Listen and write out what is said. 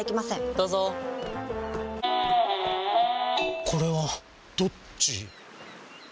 どうぞこれはどっち？